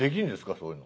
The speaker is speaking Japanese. そういうの。